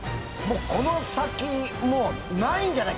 この先もうないんじゃない？